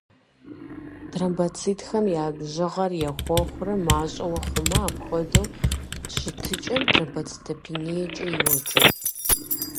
Тромбоцитхэм я бжыгъэр ехуэхрэ мащӏэӏуэ хъумэ, апхуэдэ щытыкӏэм тромбопениекӏэ йоджэ.